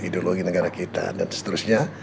ideologi negara kita dan seterusnya